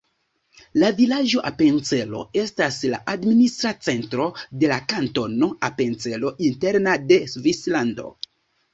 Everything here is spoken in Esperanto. La vilaĝo Apencelo estas la administra centro de la Kantono Apencelo Interna de Svislando.